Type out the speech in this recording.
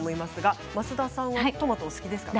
増田さんはトマトお好きですか。